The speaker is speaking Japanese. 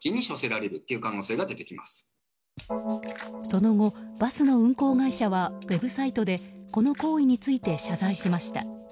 その後、バスの運行会社はウェブサイトでこの行為について謝罪しました。